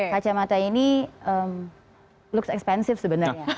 kacamata ini looks expensive sebenarnya